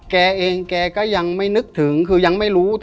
แกเองแกก็ยังไม่นึกถึงคือยังไม่รู้